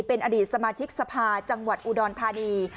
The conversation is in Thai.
เป็นอดีตสมาชิกสภาจังหวัดอุดรธานี